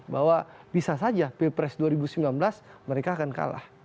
bahwa bisa saja pilpres dua ribu sembilan belas mereka akan kalah